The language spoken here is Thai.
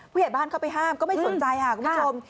ผู้ใหญ่บ้านเข้าไปห้ามก็ไม่สนใจค่ะคุณผู้ชม